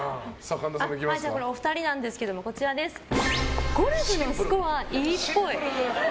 お二人なんですけどゴルフのスコア、いいっぽい。